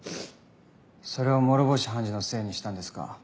それを諸星判事のせいにしたんですか？